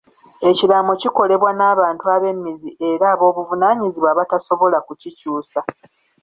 Ekiraamo kikolebwa n'abantu ab'emmizi era ab'obuvunaanyizibwa abatasobola okukikyusa.